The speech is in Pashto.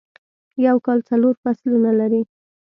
یو کال څلور فصلونه لري.